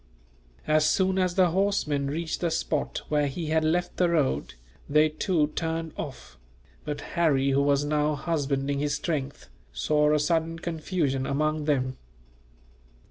As soon as the horsemen reached the spot where he had left the road, they too turned off; but Harry, who was now husbanding his strength, saw a sudden confusion among them.